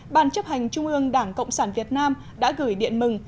ban chấp hành trung ương đảng cộng sản việt nam đã gửi điện mừng